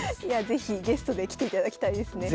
是非ゲストで来ていただきたいですね。